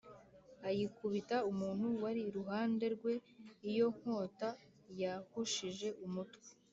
ayikubita umuntu wari iruhande rwe Iyo nkota yahushije umutwe